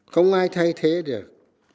không ai thay thế được